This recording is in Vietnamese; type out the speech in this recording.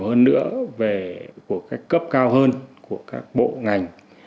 hơn nữa về cấp cao hơn của các bộ ngành